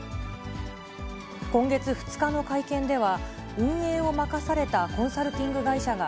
今月２日の会見では、運営を任されたコンサルティング会社が、